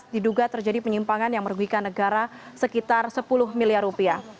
diduga terjadi penyimpangan yang merugikan negara sekitar sepuluh miliar rupiah